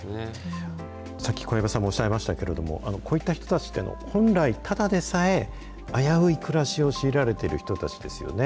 さっき小籔さんもおっしゃいましたけれども、こういった人たちって本来、ただでさえ危うい暮らしを強いられている人たちですよね。